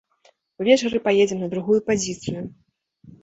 Увечары паедзем на другую пазіцыю.